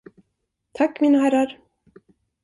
Tack, mina herrar.